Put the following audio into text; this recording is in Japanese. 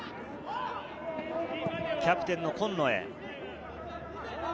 キャプテンの今野へ。